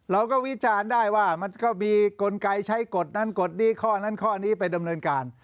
วิจารณ์ได้ว่ามันก็มีกลไกใช้กฎนั้นกฎนี้ข้อนั้นข้อนี้ไปดำเนินการ